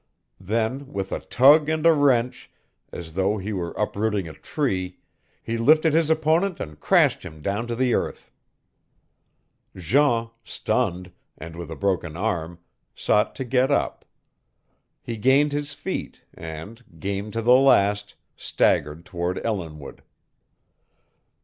Then, with a tug and a wrench, as though he were uprooting a tree, he lifted his opponent and crashed him down to the earth. Jean, stunned, and with a broken arm, sought to get up. He gained his feet and, game to the last, staggered toward Ellinwood.